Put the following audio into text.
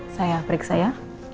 saya periksa ya